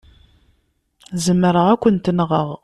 Zemreɣ ad kent-nɣeɣ.